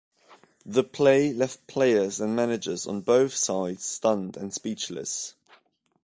The play left players and managers on both sides stunned and speechless.